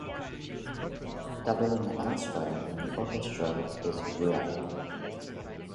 Doubling elsewhere in the orchestra is rare.